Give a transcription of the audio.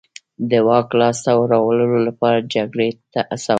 د واک لاسته راوړلو لپاره جګړې ته هڅول.